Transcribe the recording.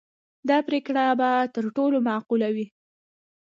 دا پرېکړه به تر ټولو معقوله وي.